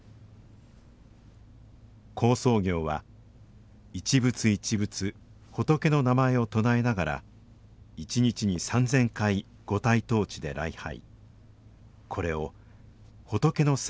好相行は一仏一仏仏の名前を唱えながら１日に３０００回五体投地で礼拝。